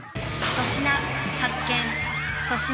粗品発見。